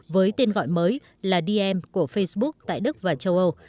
với tên gọi mới là dm của facebook tại đức và châu âu